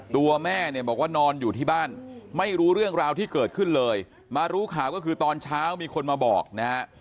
ตัวแม่เนี่ยบอกว่านอนอยู่ที่บ้านไม่รู้เรื่องราวที่เกิดขึ้นเลยมารู้ข่าวก็คือตอนเช้ามีคนมาบอกนะฮะ